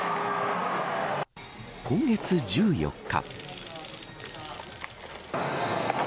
今月１４日。